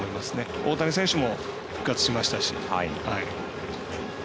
大谷選手も復活しましたし。